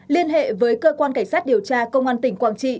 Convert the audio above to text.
liên hệ với cơ quan cảnh sát điều tra công an tỉnh quảng trị